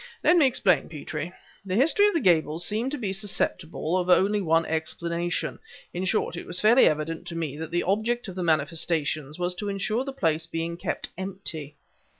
"Let me explain, Petrie. The history of the Gables seemed to be susceptible of only one explanation; in short it was fairly evident to me that the object of the manifestations was to insure the place being kept empty.